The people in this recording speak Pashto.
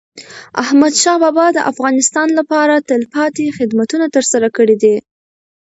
احمدشاه بابا د افغانستان لپاره تلپاتي خدمتونه ترسره کړي دي.